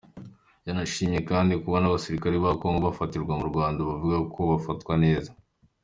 Yanashimye kandi kuba n’abasirikare ba Congo bafatirwa mu Rwanda bavuga ko bafatwa neza.